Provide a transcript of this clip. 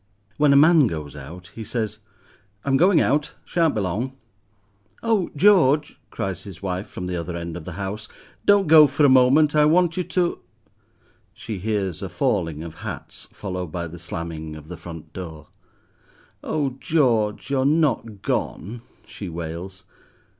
When a man goes out, he says—"I'm going out, shan't be long." "Oh, George," cries his wife from the other end of the house, "don't go for a moment. I want you to—" She hears a falling of hats, followed by the slamming of the front door. "Oh, George, you're not gone!" she wails.